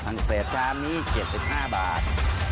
ทั้งเศษช้านี้๗๕บาท